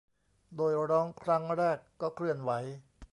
โดยร้องครั้งแรกก็เคลื่อนไหว